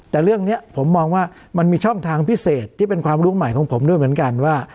แต่เรื่องนี้ผมมองว่ามันมีช่องทางพิเศษที่เป็นความรู้ใหม่ของผมด้วยเหมือนกันว่า